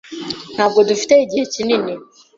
Ntabwo dufite igihe kinini.